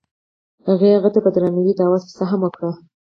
هغه هغې ته په درناوي د اواز کیسه هم وکړه.